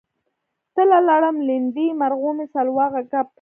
تله لړم لیندۍ مرغومی سلواغه کب